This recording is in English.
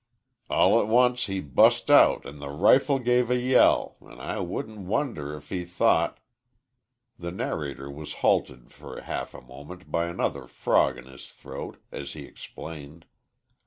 All t' once he bust out an' the rifle give a yell, An' I wouldn't wonder if he thought " The narrator was halted for half a moment by another frog in his throat as he explained.